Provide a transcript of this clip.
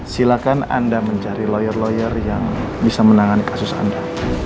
silahkan anda mencari lawyer lawyer yang bisa menangani kasus anda